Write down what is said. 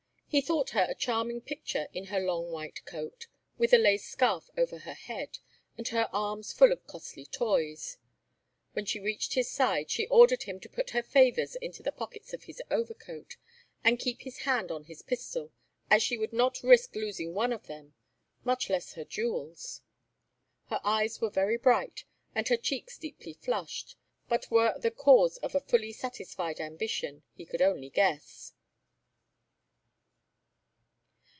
He thought her a charming picture in her long white coat, with a lace scarf over her head, and her arms full of costly toys. When she reached his side she ordered him to put her favors into the pockets of his overcoat, and keep his hand on his pistol, as she would not risk losing one of them, much less her jewels. Her eyes were very bright, and her cheeks deeply flushed, but were the cause a fully satisfied ambition, he could only guess.